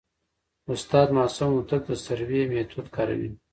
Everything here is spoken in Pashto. استاد معصوم هوتک د سروې میتود کاروي.